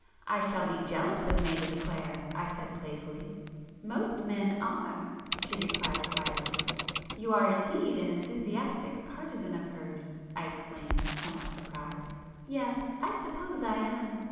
"I shall be jealous of Mavis Clare," I said playfully. "Most men are!" she replied quietly. "You are indeed an enthusiastic partisan of hers!" I exclaimed, somewhat surprised. "Yes, I suppose I am.